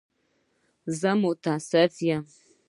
زه متأسف یم.